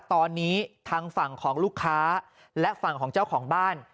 ตอนนี้ทางฝั่งของลูกค้าและฝั่งของเจ้าของบ้าน